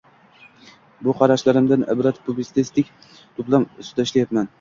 Shu qarashlarimdan iborat publitsistik to’plam ustida ishlayapman.